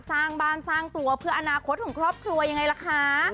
สร้างบ้านสร้างตัวเพื่ออนาคตของครอบครัวยังไงล่ะคะ